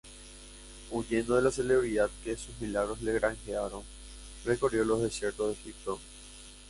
Huyendo de la celebridad que sus milagros le granjearon, recorrió los desiertos de Egipto.